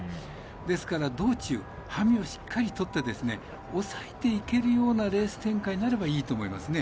ですから、道中馬銜をしっかり取って抑えていけるようなレース展開になればいいと思いますね。